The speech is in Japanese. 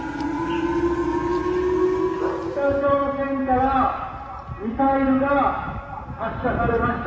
北朝鮮からミサイルが発射されました。